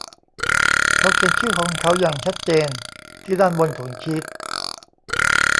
เขาเขียนชื่อของเขาอย่างชัดเจนที่ด้านบนของชีท